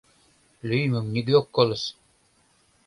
Лӱйымым нигӧ ок колыс...